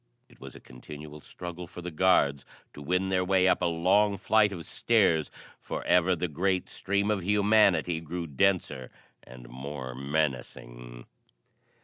It was a continual struggle for the guards to win their way up a long flight of stairs, for ever the great stream of humanity grew denser and more menacing.